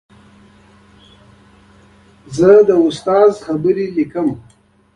زه د استاد خبرې لیکم.